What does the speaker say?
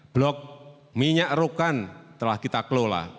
blok minyak rokan telah kita kelola